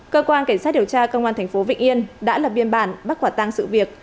cơ quan cảnh sát điều tra công an thành phố vịnh yên đã lập biên bản bắt quả tăng sự việc